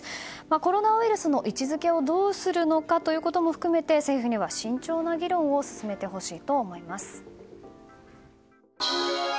コロナウイルスの位置づけをどうするのかも含めて政府には慎重な議論を進めてほしいと思います。